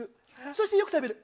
そして、よく食べる。